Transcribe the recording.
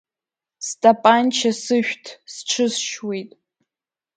Стапанча сышәҭ, сҽысшьуеит!